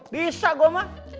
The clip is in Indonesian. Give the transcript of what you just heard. bisa gua mah